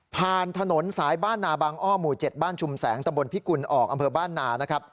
ถนนสายบ้านนาบางอ้อหมู่๗บ้านชุมแสงตะบนพิกุลออกอำเภอบ้านนานะครับ